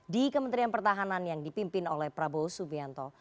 di kementerian pertahanan yang dipimpin oleh prabowo subianto